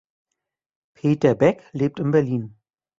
Peter Beck lebt in Berlin.